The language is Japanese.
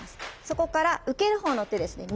そこから受ける方の手ですね